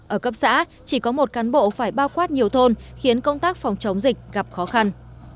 ở cấp xã chỉ có một cán bộ phải bao quát nhiều thôn khiến công tác phòng chống dịch gặp khó khăn